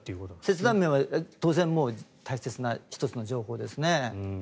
切断面は当然、大切な１つの情報ですね。